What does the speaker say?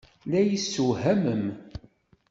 La iyi-tessewhamem.